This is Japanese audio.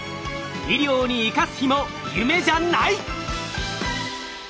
医療に生かす日も夢じゃない！